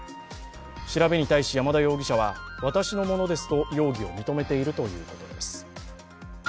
調べに対し山田容疑者は私のものですと容疑を認めているということです。